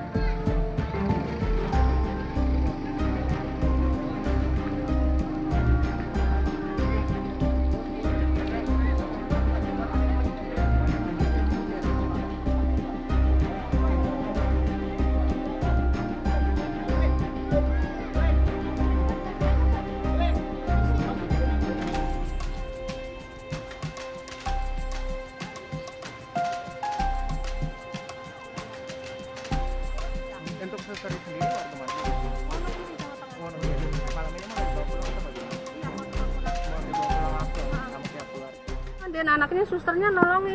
bapaknya nolongin cuman gak tau tuh setom dari mana apakah dari water wov itu gak tau ya